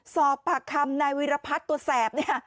สอบผ่าคำไนวิรพัดตัวแสบ